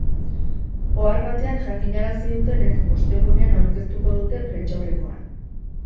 Ohar batean jakinarazi dutenez, ostegunean aurkeztuko dute prentsaurrekoan.